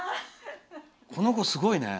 この子、すごいね。